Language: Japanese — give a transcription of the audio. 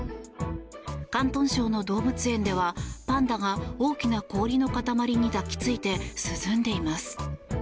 広東省の動物園では、パンダが大きな氷の塊に抱きついて涼んでいます。